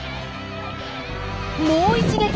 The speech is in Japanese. もう一撃！